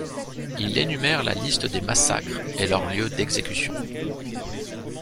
Il énumère la liste des massacres et leur lieu d'exécution.